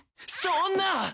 そんな！